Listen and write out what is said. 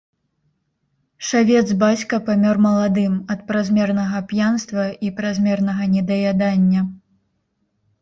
Шавец бацька памёр маладым ад празмернага п'янства і празмернага недаядання.